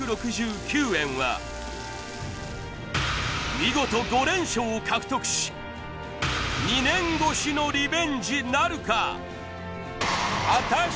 見事５連勝を獲得し２年越しのリベンジなるか？